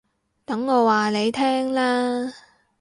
等我話你聽啦